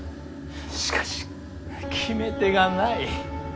しかし決め手がない。